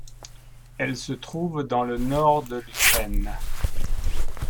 Elle se trouve dans le nord de l'Ukraine.